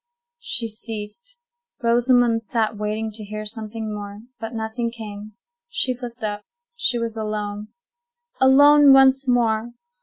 She ceased. Rosamond sat waiting to hear something more; but nothing came. She looked up; she was alone. Alone once more!